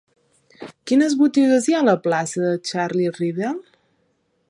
Quines botigues hi ha a la plaça de Charlie Rivel?